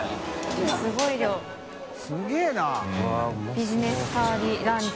ビジネスターリランチ